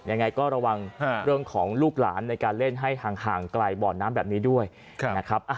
ยังไงก็ระวังเรื่องของลูกหลานในการเล่นให้ห่างไกลบ่อน้ำแบบนี้ด้วยนะครับ